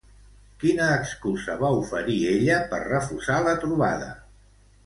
Quina excusa va oferir ella per refusar la trobada?